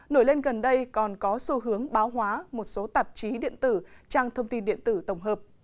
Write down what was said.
nổi lên gần đây còn có xu hướng báo hóa một số tạp chí điện tử trang thông tin điện tử tổng hợp